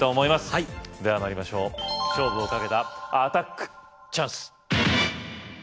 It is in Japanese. はいでは参りましょう勝負をかけたアタックチャンス‼